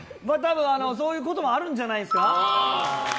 そういうこともあるんじゃないですか。